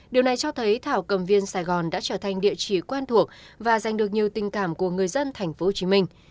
điều này cho thấy thảo cầm viên sài gòn đã trở thành địa chỉ quen thuộc và giành được nhiều tình cảm của người dân thành phố hồ chí minh